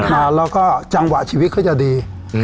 แล้วก็จังหวะชีวิตเขาจะดี